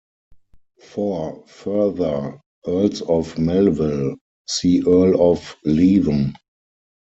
For further Earls of Melville, see Earl of Leven.